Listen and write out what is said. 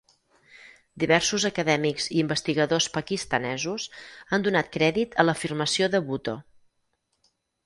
Diversos acadèmics i investigadors pakistanesos han donat crèdit a l'afirmació de Bhutto.